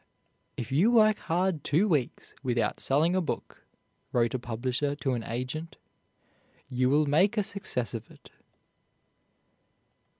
"If you work hard two weeks without selling a book," wrote a publisher to an agent, "you will make a success of it."